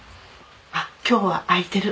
「あっ今日は開いてる。